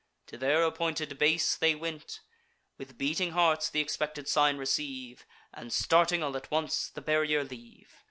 To their appointed base they went; With beating hearts th' expected sign receive, And, starting all at once, the barrier leave.